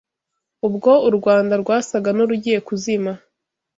Ubwo u Rwanda rwasaga n’urugiye kuzima